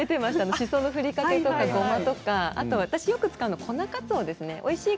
しそのふりかけとか、ごまとか私がよく使うが粉かつおです。